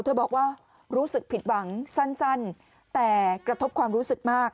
บอกว่ารู้สึกผิดหวังสั้นแต่กระทบความรู้สึกมาก